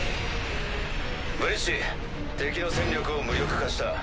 ブリッジ敵の戦力を無力化した。